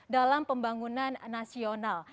dalam pembangunan nasional